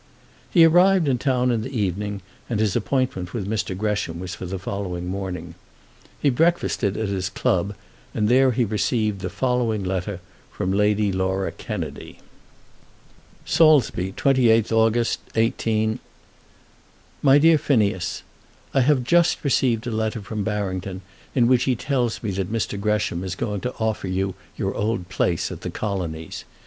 He arrived in town in the evening, and his appointment with Mr. Gresham was for the following morning. He breakfasted at his club, and there he received the following letter from Lady Laura Kennedy: Saulsby, 28th August, 18 . MY DEAR PHINEAS, I have just received a letter from Barrington in which he tells me that Mr. Gresham is going to offer you your old place at the Colonies.